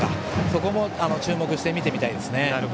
そこも注目して見てみたいですね。